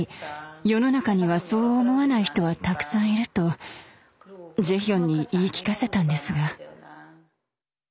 世の中にはそう思わない人はたくさんいるとジェヒョンに言い聞かせたんですが。